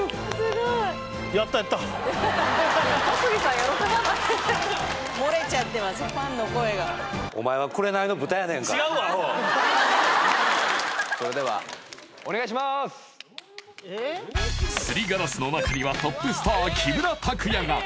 喜ばないすりガラスの中にはトップスター木村拓哉が！